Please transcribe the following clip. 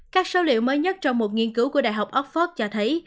các số liệu mới nhất trong một nghiên cứu của đại học oxford cho thấy